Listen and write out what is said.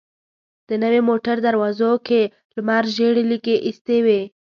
د نوې موټر دروازو کې لمر ژېړې ليکې ايستې وې.